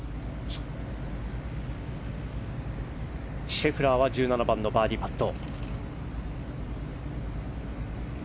シェフラーは１７番のバーディーパット。